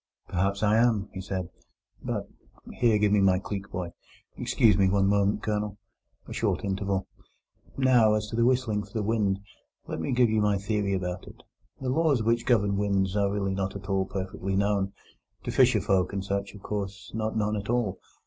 "Perhaps I am," he said; "but—Here, give me my cleek, boy!—Excuse me one moment, Colonel." A short interval. "Now, as to whistling for the wind, let me give you my theory about it. The laws which govern winds are really not at all perfectly known—to fisherfolk and such, of course, not known at all.